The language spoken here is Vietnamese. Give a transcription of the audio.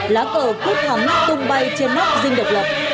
lá cờ cút hắn tung bay trên mắt dinh độc lập